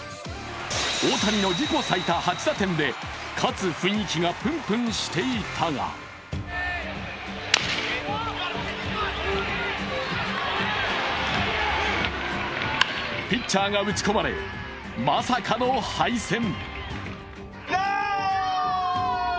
大谷の自己最多８打点で勝つ雰囲気がプンプンしていたがピッチャーが打ち込まれ、まさかの敗戦。